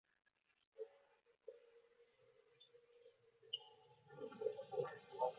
Un video con la letra fue lanzado en YouTube el mismo día.